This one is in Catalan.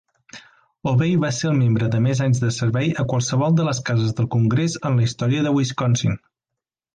Obey va ser el membre de més anys de servei a qualsevol de les cases del Congrés en la història de Wisconsin.